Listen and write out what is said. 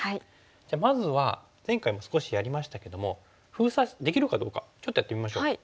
じゃあまずは前回も少しやりましたけども封鎖できるかどうかちょっとやってみましょう。